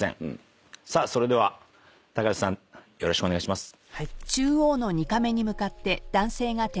さあそれでは橋さんよろしくお願いします。